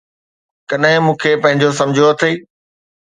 ڪڏھن مون کي پنھنجو سمجھيو اٿئي!